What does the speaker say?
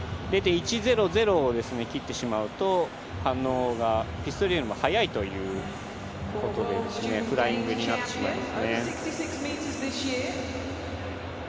０．１００を切ってしまうとピストルよりも早いということでフライングになってしまいます。